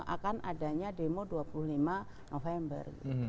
akan adanya demo dua puluh lima november